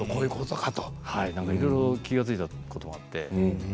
いろいろ気が付いたこともあって。